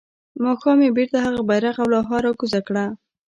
ماښام يې بيرته هغه بيرغ او لوحه راکوزه کړه.